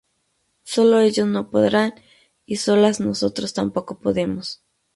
Solo ellos no podrán y solas nosotros tampoco podemos.